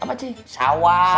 tapi sebentar lagi